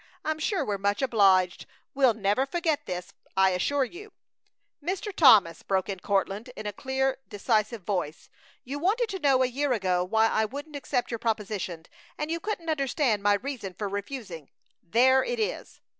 I'm sure we're much obliged. We'll not forget this, I assure you " "Mr. Thomas," broke in Courtland, in a clear, decisive voice, "you wanted to know a year ago why I wouldn't accept your proposition, and you couldn't understand my reason for refusing. There it is!"